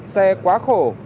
xe quá khổ